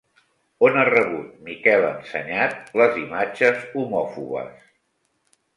On ha rebut Miquel Ensenyat les imatges homòfobes?